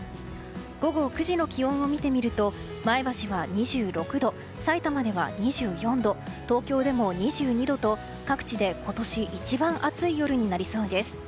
午後９時の気温を見てみると前橋は２６度さいたまでは２４度東京でも２２度と各地で今年一番暑い夜になりそうです。